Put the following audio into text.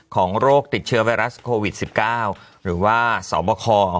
โรคติดเชื้อไวรัสโควิด๑๙หรือว่าสบค